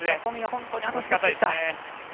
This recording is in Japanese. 本当に、あと少しでした。